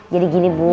jadi gini bu